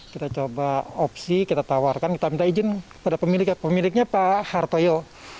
kita coba opsi kita tawarkan kita minta izin pada pemiliknya pak hartoyo